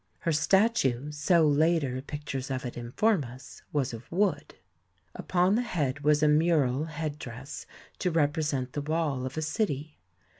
Her statue, so later pictures of it inform us, was of wood. Upon the head was a mural headdress to represent the wall of a city.